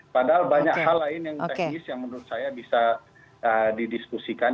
padahal banyak hal lain yang teknis yang menurut saya bisa didiskusikan